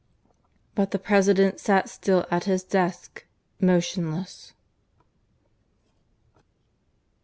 But the President sat still at his desk, motionless.